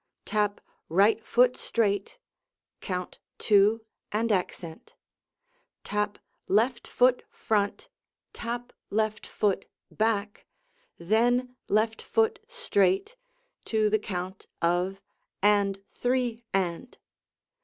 Tap right foot straight (count "two" and accent). Tap left foot front, tap left foot back, then left foot straight, to the count of "and three and."